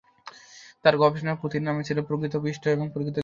তাঁর গবেষণা-পুথির নাম ছিলেন "প্রকৃত পৃষ্ঠ এবং প্রকৃত জ্যামিতির উইট সমবায়"।